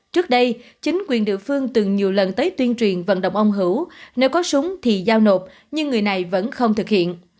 trước đây chính quyền địa phương từng nhiều lần tới tuyên truyền vận động ông hữu nếu có súng thì giao nộp nhưng người này vẫn không thực hiện